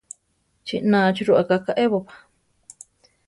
¿Chí nachi roʼaká kaʼébopa?